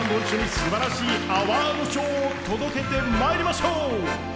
すばらしいアワード賞を届けてまいりましょう。